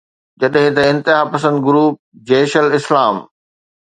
جڏهن ته انتهاپسند گروپ جيش الاسلام